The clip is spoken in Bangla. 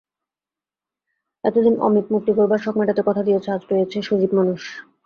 এতদিন অমিত মূর্তি গড়বার শখ মেটাত কথা দিয়ে, আজ পেয়েছে সজীব মানুষ।